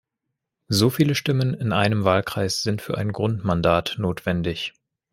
So viele Stimmen in einem Wahlkreis sind für ein Grundmandat notwendig.